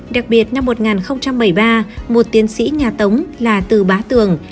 đặc biệt năm một nghìn bảy mươi ba một tiến sĩ nhà tống là từ bá tường